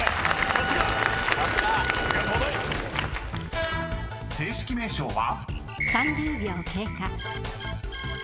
さすが！さすが！［正式名称は？］